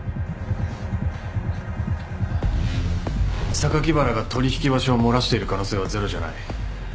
榊原が取引場所を漏らしている可能性はゼロじゃない。